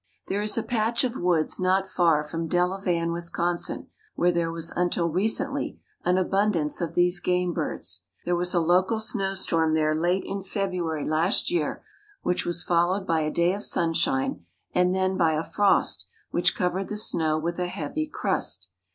There is a patch of woods not far from Delavan, Wis., where there was until recently an abundance of these game birds. There was a local snowstorm there late in February last year, which was followed by a day of sunshine and then by a frost which covered the snow with a heavy crust.